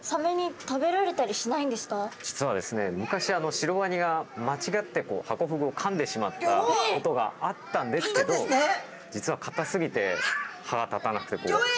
実はですね昔シロワニが間違ってハコフグをかんでしまったことがあったんですけど実はギョエ！